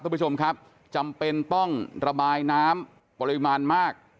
คุณผู้ชมครับจำเป็นต้องระบายน้ำปริมาณมาก